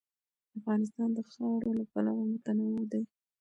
افغانستان د خاوره له پلوه متنوع دی.